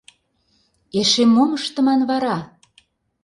Эше мом ыштыман вара?